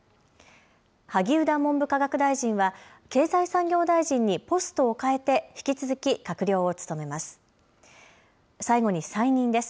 萩生田文部科学大臣は経済産業大臣にポストをかえて、引き続き閣僚を務めます。